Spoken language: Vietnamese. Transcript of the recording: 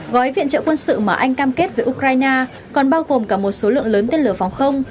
gói viện trợ quân sự mà anh cam kết với ukraine còn bao gồm cả một số lượng lớn tên lửa phòng không